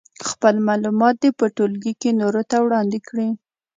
خپل معلومات دې په ټولګي کې نورو ته وړاندې کړي.